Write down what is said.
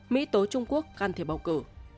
mỹ tố trung quốc can thiệp bầu cử